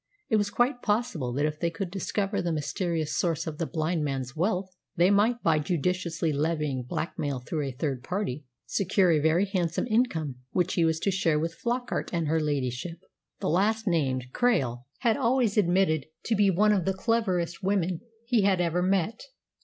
It was quite possible that if they could discover the mysterious source of this blind man's wealth they might, by judiciously levying blackmail through a third party, secure a very handsome income which he was to share with Flockart and her ladyship. The last named Krail had always admitted to be one of the cleverest women he had ever met.